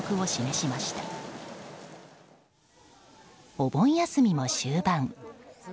お盆休みも終盤。